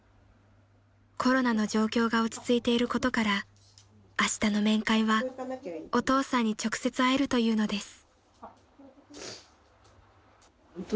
［コロナの状況が落ち着いていることからあしたの面会はお父さんに直接会えるというのです］